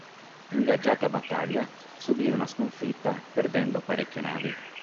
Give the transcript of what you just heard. Ingaggiata battaglia subì una sconfitta perdendo parecchie navi.